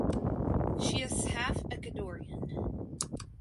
She is half Ecuadorian.